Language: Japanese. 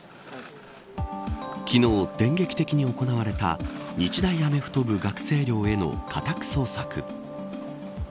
昨日、電撃的に行われた日大アメフト部学生寮への家宅捜索。